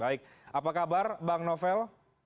baik apa kabar bang novel